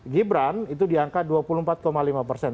gibran itu diangkat dua puluh empat lima persen